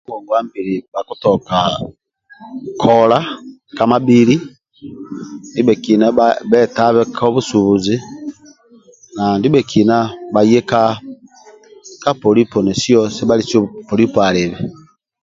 ka ngonguwa mbili bhakutoka kola ka mabhili, ndibhekina bha bhetabe ko busubuzi na ndibhekina bhaye ka ka polipo nesiyo sebhalisiyo polipo alibe.